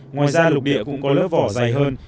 ngoài ra lục địa cũng có lớp vỏ dày hơn